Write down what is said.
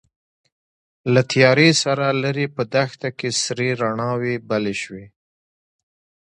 له تيارې سره ليرې په دښته کې سرې رڼاوې بلې شوې.